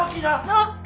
ノック！